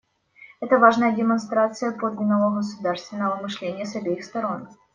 Это важная демонстрация подлинно государственного мышления с обеих сторон.